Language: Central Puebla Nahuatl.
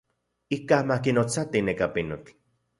Ikaj ma kinotsati neka pinotl.